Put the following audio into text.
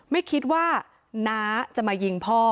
ไม่คิดว่าน้าจะมายิงพ่อ